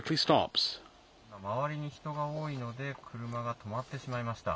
今、周りに人が多いので、車が止まってしまいました。